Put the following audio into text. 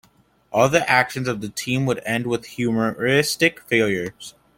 All the actions of the team would end with humoristic failures.